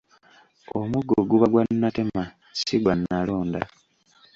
Omuggo guba gwa natema si gwa nalonda.